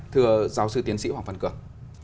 thưa giáo sư tiến sĩ hoàng văn cường